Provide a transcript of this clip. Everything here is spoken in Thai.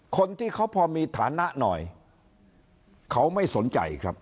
คนที่เขาพอมีฐานะหน่อยเขาไม่สนใจครับ